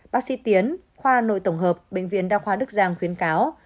bác sĩ tiến khoa nội tổng hợp bệnh viện đa khoa đức giang khuyến cáo